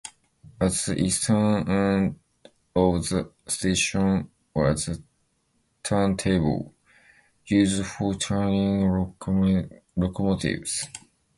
At the eastern end of the station was a turntable, used for turning locomotives.